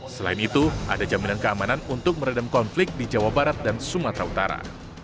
selain itu ada jaminan keamanan untuk meredam konflik di jawa barat dan sumatera utara